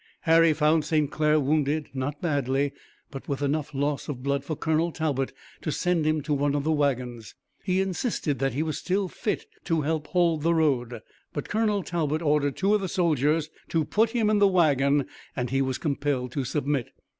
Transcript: Harry found St. Clair wounded, not badly, but with enough loss of blood for Colonel Talbot to send him to one of the wagons. He insisted that he was still fit to help hold the road, but Colonel Talbot ordered two of the soldiers to put him in the wagon and he was compelled to submit.